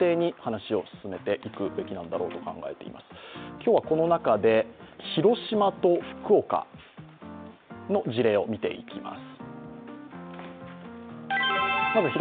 今日は、この中で広島と福岡の事例を見ていきます。